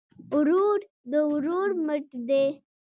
ورور د ورور مټ دی